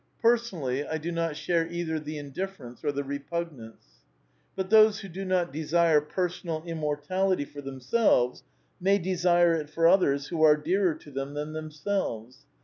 Personally I do not share either the indifference or the repugnance. But those who do not desire personal immortality for themselves may desire it for others who are dearer to them than themselves.